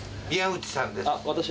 宮内さんです。